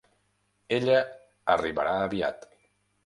Ella arribarà aviat.